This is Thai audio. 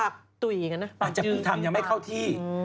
ก็หรือเป็นวัวจากกูทำอย่างไม่เข้าที่